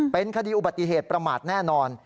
เป็นคดีอุบัติเหตุประมาทแน่นอน